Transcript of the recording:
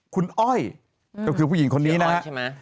คุณอ้อยก็คือผู้หญิงคนนี้นะครับคืออ้อยใช่ไหม